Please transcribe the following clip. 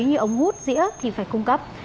như ống hút dĩa thì phải cung cấp